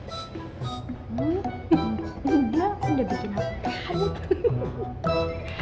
udah jangan berpikir pikir